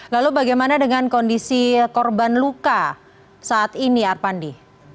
lalu bagaimana dengan kondisi korban luka saat ini arpandi